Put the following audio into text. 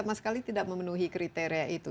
sama sekali tidak memenuhi kriteria itu